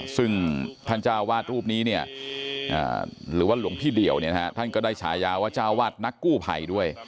ซึ่งท่านเจ้าวาดรูปนี้เนี่ยหรือว่าหลวงพี่เดี่ยวท่านก็ได้ฉายาว่าเจ้าวาดนักกู้ภัยด้วย